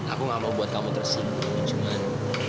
aku gak mau buat kamu tersinggung cuman